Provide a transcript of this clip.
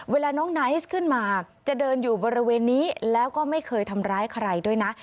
เวลาน้องไนท์ขึ้นมาจะเดินอยู่บริเวณนี้แล้วก็ไม่เคยทำร้ายใครด้วยนะ